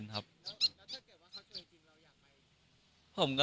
แล้วถ้าเกิดว่าเขาเกิดจริงแล้วยังไง